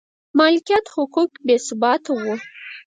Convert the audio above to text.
د مالکیت حقوق بې ثباته و.